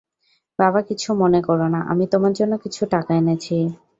বাবা কিছু মনে করো না, আমি তোমার জন্য কিছু টাকা এনেছি।